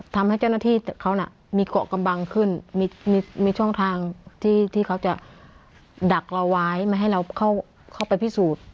ทำให้เจ้าหน้าที่เขาน่ะมีเกาะกำบังขึ้นมีช่องทางที่เขาจะดักเราไว้ไม่ให้เราเข้าไปพิสูจน์